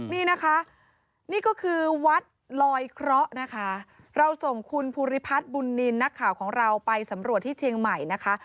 นี่นะคะนี่ก็คือวัดลอยเคราะห์นะคะเราส่งคุณภูริพัฒน์บุญนินทร์นักข่าวของเราไปสำรวจที่เชียงใหม่นะคะ